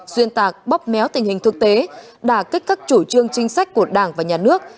xuyên tạc bóp méo tình hình thực tế đà kích các chủ trương chính sách của đảng và nhà nước